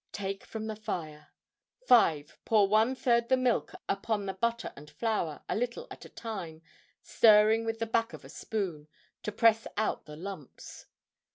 Take from the fire. 5. Pour 1/3 the milk upon the butter and flour, a little at a time, stirring with the back of a spoon to press out the lumps.